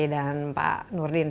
dan pak nurdin